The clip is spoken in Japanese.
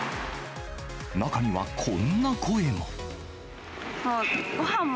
中には、こんな声も。